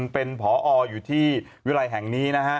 เป็นผออยู่ที่วิทยาลัยแห่งนี้